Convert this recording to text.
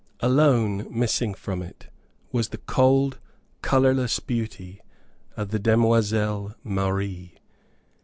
Alone missing from it was the cold, colorless beauty of the demoiselle Marie.